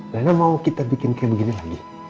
rena mau kita bikin kayak begini lagi